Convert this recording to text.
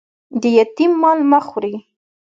د یتيم مال مه خوري